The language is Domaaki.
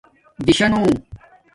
دِشانݸ